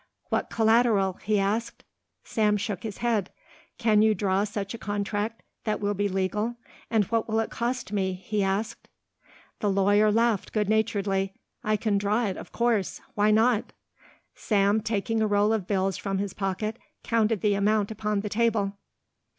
"What collateral?" he asked. Sam shook his head. "Can you draw such a contract that will be legal and what will it cost me?" he asked. The lawyer laughed good naturedly. "I can draw it of course. Why not?" Sam, taking a roll of bills from his pocket, counted the amount upon the table.